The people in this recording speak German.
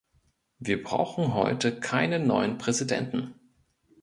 Wir brauchen heute keinen neuen Präsidenten.